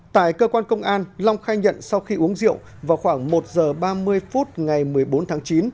tại cơ quan công an long khai nhận sau khi uống rượu vào khoảng một giờ ba mươi phút ngày một mươi bốn tháng chín